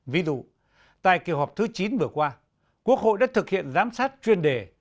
ví dụ tại kỳ họp thứ chín vừa qua quốc hội đã thực hiện giám sát chuyên đề